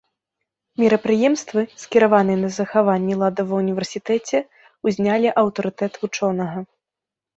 Мерапрыемствы, скіраваныя на захаванне ладу ва ўніверсітэце, узнялі аўтарытэт вучонага.